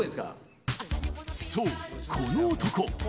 そう、この男。